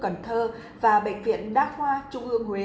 cần thơ và bệnh viện đa khoa trung ương huế